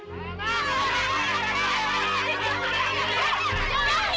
jangan jangan jangan